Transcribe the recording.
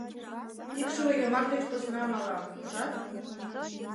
Икшыве йомак деч посна мала, ужат?..»